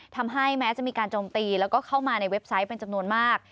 แม้จะมีการโจมตีแล้วก็เข้ามาในเว็บไซต์เป็นจำนวนมาก